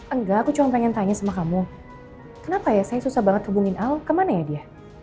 enggak aku cuma pengen tanya sama kamu kenapa ya saya susah banget hubungin al kemana ya dia